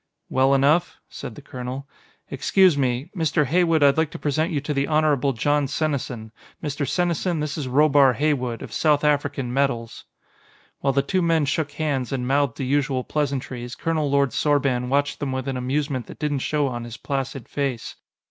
"Well enough," said the colonel. "Excuse me Mr. Heywood, I'd like to present you to the Honorable Jon Senesin; Mr. Senesin, this is Robar Heywood, of South African Metals." While the two men shook hands and mouthed the usual pleasantries, Colonel Lord Sorban watched them with an amusement that didn't show on his placid face.